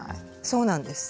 そうなんです。